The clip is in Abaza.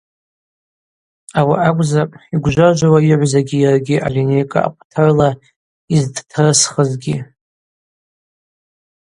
Ауи акӏвзапӏ йгвжважвауа йыгӏвзагьи йаргьи алинейкӏа акъвтырла йыздтрысхызгьи.